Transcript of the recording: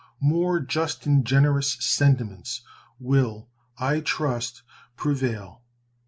More just and generous sentiments will, I trust, prevail.